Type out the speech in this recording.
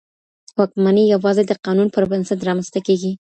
واکمني يوازي د قانون پر بنسټ رامنځته کېږي.